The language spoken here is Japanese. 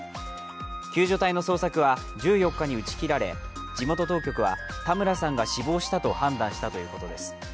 救助隊の捜索は１４日に打ち切られ、タムラさんが死亡したと判断したということです。